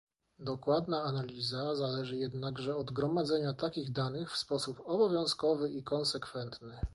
Dokładna analiza zależy jednakże od gromadzenia takich danych w sposób obowiązkowy i konsekwentny